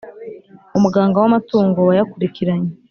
Umuganga w amatungo wayakurikiranye